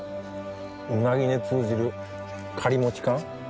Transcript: うなぎに通じるカリモチ感。